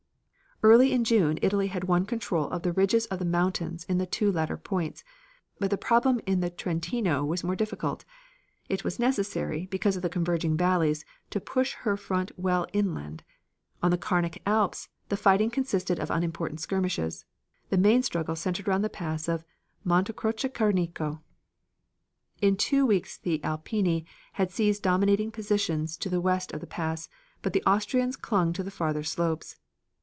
Early in June Italy had won control of the ridges of the mountains in the two latter points, but the problem in the Trentino was more difficult. It was necessary, because of the converging valleys, to push her front well inland. On the Carnic Alps the fighting consisted of unimportant skirmishes. The main struggle centered around the pass of Monte Croce Carnico. In two weeks the Alpini had seized dominating positions to the west of the pass, but the Austrians clung to the farther slopes.